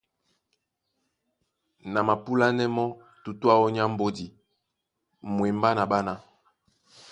Ná a mapúlánɛ́ mɔ́ tutú áō nyá mbódi mwembá na ɓána.